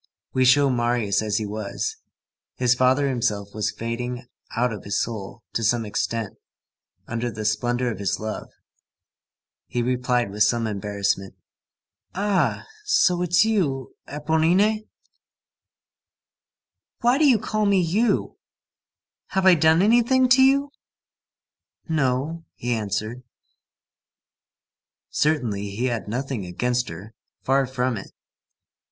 We show Marius as he was. His father himself was fading out of his soul to some extent, under the splendor of his love. He replied with some embarrassment:— "Ah! so it's you, Éponine?" "Why do you call me you? Have I done anything to you?" "No," he answered. Certainly, he had nothing against her. Far from it.